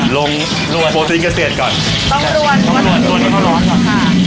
ลงลวนโปรตีนเกษตรก่อนต้องลวนต้องลวนต้องร้อน